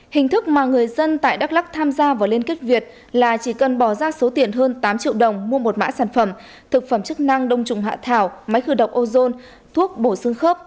hình thức mà người dân tại đắk lắc tham gia vào liên kết việt là chỉ cần bỏ ra số tiền hơn tám triệu đồng mua một mã sản phẩm thực phẩm chức năng đông trùng hạ thảo máy khử độc ozone thuốc bổ xương khớp